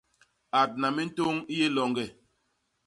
Adna mintôñ i yé loñge!